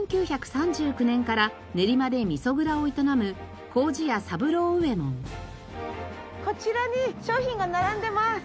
１９３９年から練馬でみそ蔵を営むこちらに商品が並んでます。